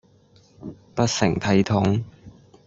不成體統